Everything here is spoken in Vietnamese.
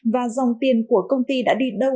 và dòng tiền của công ty đã đi đâu